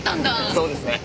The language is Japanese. そうですね。